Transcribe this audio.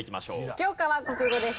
教科は国語です。